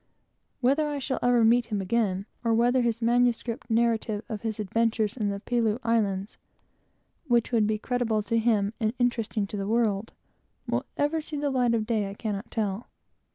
Whether I shall ever meet him again, or whether his manuscript narrative of his adventures in the Pelew Islands, which would be creditable to him and interesting to the world, will ever see the light, I cannot tell.